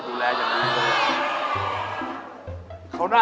พี่อยู่เมนเฉยเข้านั่งอะเข้ามั่นหา